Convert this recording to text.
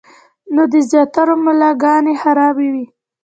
نو د زياترو ملاګانې خرابې وي -